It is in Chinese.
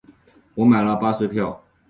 我们买了巴士票